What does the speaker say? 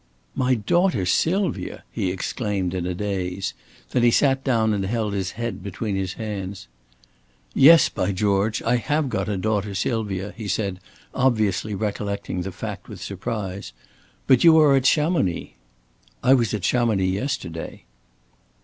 "My daughter Sylvia!" he exclaimed in a daze. Then he sat down and held his head between his hands. "Yes, by George. I have got a daughter Sylvia," he said, obviously recollecting the fact with surprise. "But you are at Chamonix." "I was at Chamonix yesterday."